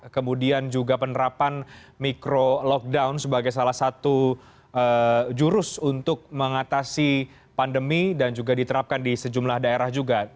kemudian juga penerapan mikro lockdown sebagai salah satu jurus untuk mengatasi pandemi dan juga diterapkan di sejumlah daerah juga